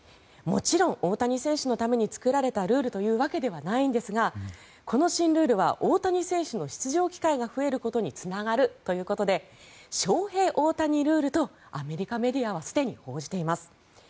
もちろん大谷選手のために作られたルールというわけではないんですがこの新ルールは大谷選手の出場機会が増えることにつながるということでショウヘイ・オオタニルールとアメリカメディアはすでに報じています。